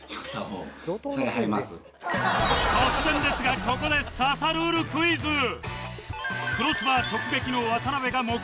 突然ですがここでクロスバー直撃の渡邊が目撃